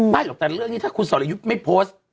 หรอกแต่เรื่องนี้ถ้าคุณสอรยุทธ์ไม่โพสต์